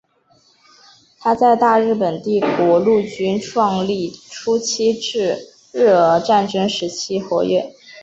他在大日本帝国陆军创立初期至日俄战争期间活跃。